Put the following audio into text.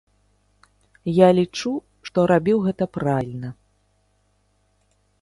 Я лічу, што рабіў гэта правільна.